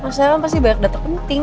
maksudnya kan pasti banyak data penting